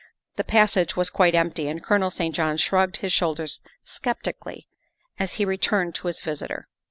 The passage was quite empty, and Colonel St. John shrugged his shoulders sceptically as he returned to his visitor.